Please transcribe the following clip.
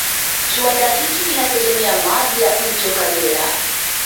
Kiwanda hiki kinategemea maji ya mto Kagera